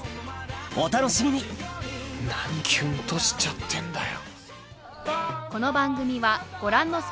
お楽しみに何キュンとしちゃってんだよ。